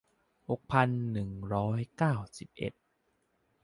หกพันหนึ่งร้อยเก้าสิบเอ็ด